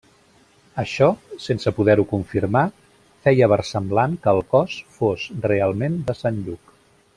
Això, sense poder-ho confirmar, feia versemblant que el cos fos realment de Sant Lluc.